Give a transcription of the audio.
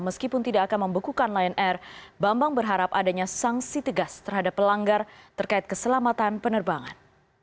meskipun tidak akan membekukan lion air bambang berharap adanya sanksi tegas terhadap pelanggar terkait keselamatan penerbangan